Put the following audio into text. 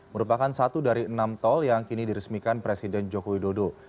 merupakan satu dari enam tol yang kini diresmikan presiden joko widodo